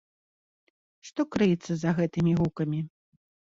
Што крыецца за гэтымі гукамі?